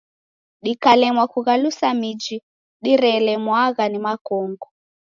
Dikalemwa kughalusa miji dimerelwagha ni makongo.